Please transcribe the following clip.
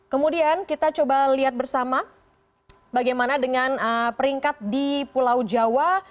kemudian kita coba lihat bersama bagaimana dengan peringkat di pulau jawa